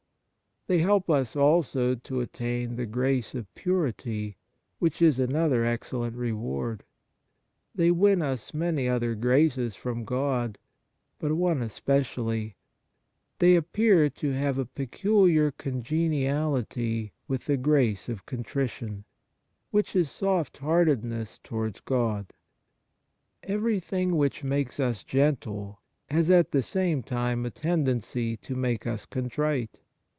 They help us also to attain the grace of purity, which is another excellent reward. They wdn us 76 Kindness many other graces from God ; but one especially : they appear to have a peculiar congeniality with the grace of contrition, which is softheartedness towards God. Everything which makes us gentle has at the same time a tendency to make us con trite.